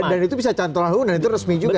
dan itu bisa cantelan hujan itu resmi juga